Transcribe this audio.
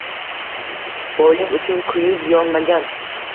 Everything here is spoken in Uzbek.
Boylik uchun kuyib yonmagan